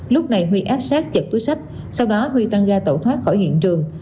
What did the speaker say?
lúc này huy áp sát chập túi sách sau đó huy tăng ga tẩu thoát khỏi hiện trường